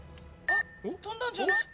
あっ飛んだんじゃない？